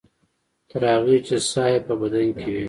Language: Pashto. تر هغې چې ساه یې په بدن کې وي.